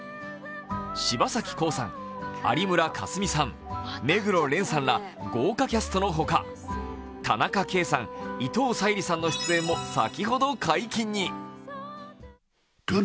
柴咲コウさん、有村架純さん、目黒蓮さんら豪華キャストの他、田中圭さん、伊藤沙莉さんの出演も先ほど解禁に。